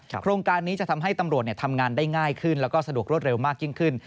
โครงการนี้จะทำให้ตำรวจทำงานได้ง่ายขึ้นแล้วก็สะดวกรวดเร็วมากยิ่งขึ้น